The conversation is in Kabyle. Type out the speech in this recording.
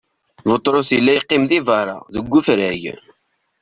Buṭrus illa yeqqim di beṛṛa, deg ufrag.